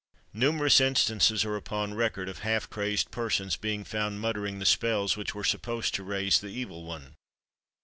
Numerous instances are upon record of half crazed persons being found muttering the spells which were supposed to raise the evil one.